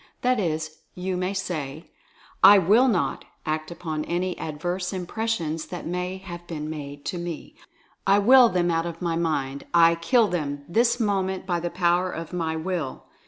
That is, you may say "I WILL NOT act upon any adverse Impressions that may have been made to me— I WILL them out of my 174 Mental Fascination mind — I KILL THEM this moment by the power of my WILL."